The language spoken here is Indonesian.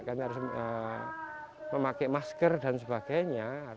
kami harus memakai masker dan sebagainya